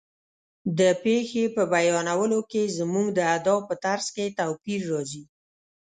د پېښې په بیانولو کې زموږ د ادا په طرز کې توپیر راځي.